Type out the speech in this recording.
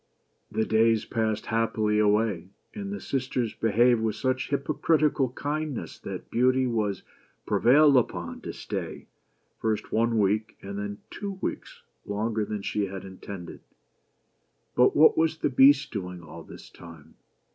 The days passed happily away ; and the sisters behaved with such hypocritical kindness that Beauty was prevailed upon to stay, first one week, and then two weeks, longer than she had intended. But what was the Beast doing all this time